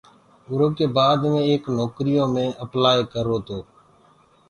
اُرو ڪي بآد مي ايڪ نوڪريٚ يو مي اپلآئي ڪررو تو۔